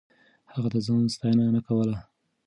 هغه د ځان ستاينه نه کوله.